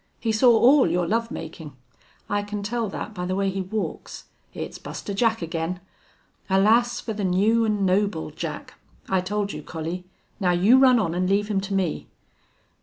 He saw all your love makin'. I can tell that by the way he walks. It's Buster Jack again! Alas for the new an' noble Jack! I told you, Collie. Now you run on an' leave him to me."